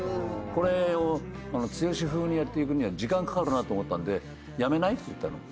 これを剛風にやっていくには時間かかるなと思ったんでやめない？って言ったの。